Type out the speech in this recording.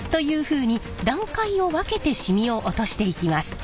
ふうに段階を分けてしみを落としていきます。